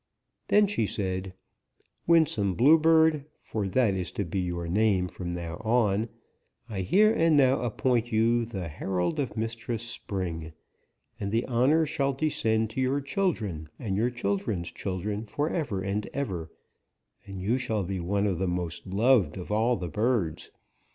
Then she said: 'Winsome Bluebird, for that is to be your name from now on, I here and now appoint you the herald of Mistress Spring, and the honor shall descend to your children and your children's children forever and ever, and you shall be one of the most loved of all the birds.